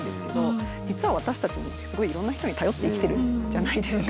実は私たちもすごいいろんな人に頼って生きてるじゃないですか。